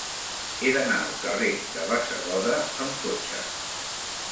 He d'anar al carrer de Bassegoda amb cotxe.